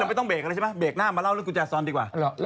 ไม่ต้องเบรกอะไรใช่ไหมเบรกหน้ามาเล่าเรื่องกุญแจซอนดีกว่า